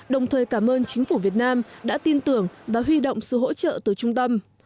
đồng thời cảm ơn chính phủ việt nam đã tin tưởng và huy động sự hỗ trợ từ trung tâm